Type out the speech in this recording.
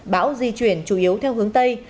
bão di chuyển chủ yếu theo hướng tây